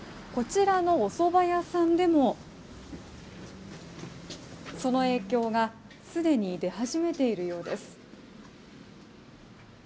こちらのおそば屋さんでも、その影響が既に出始めているようです。